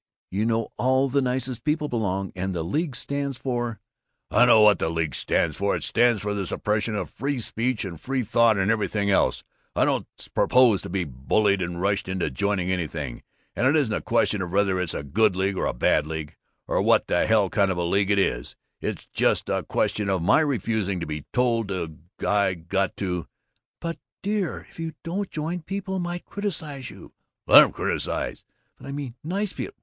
You know all the nicest people belong, and the League stands for " "I know what the League stands for! It stands for the suppression of free speech and free thought and everything else! I don't propose to be bullied and rushed into joining anything, and it isn't a question of whether it's a good league or a bad league or what the hell kind of a league it is; it's just a question of my refusing to be told I got to " "But dear, if you don't join, people might criticize you." "Let 'em criticize!" "But I mean nice people!"